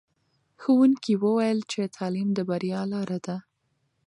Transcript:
ښوونکي وویل چې تعلیم د بریا لاره ده.